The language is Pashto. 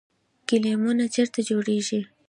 ګلیمونه چیرته جوړیږي؟